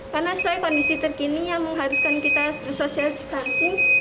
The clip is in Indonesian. karena sesuai kondisi terkini yang mengharuskan kita sosial disansi